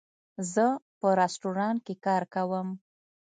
زه په رستورانټ کې کار کوم